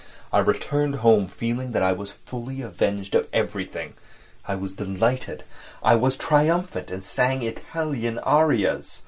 I returned home feeling that I was fully avenged for everything. I was delighted. I was triumphant and sang Italian arias.